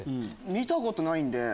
見たことないんで。